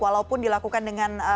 walaupun dilakukan dengan